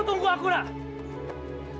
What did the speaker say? ratu tunggu aku ratu